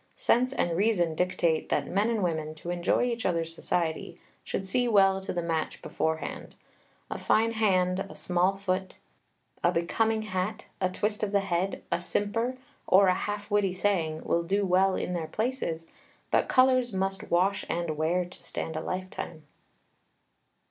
Sense and reason dictate that men and women, to enjoy each other's society, should see well to the match beforehand. A fine hand, a small foot, a becoming hat, a twist of the head, a simper, or a half witty saying will do well in their places; but colors must wash and wear to stand a lifetime.